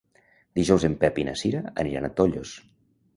Dijous en Pep i na Cira aniran a Tollos.